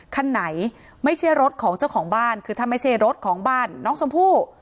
คันไหนไม่ใช่รถของเจ้าของบ้านคือถ้าไม่ใช่รถของบ้านน้องชมพู่